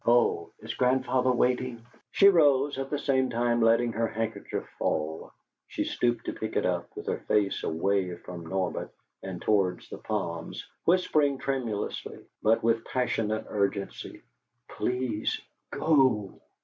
"Oh, is grandfather waiting?" She rose, at the same time letting her handkerchief fall. She stooped to pick it up, with her face away from Norbert and towards the palms, whispering tremulously, but with passionate urgency, "Please GO!"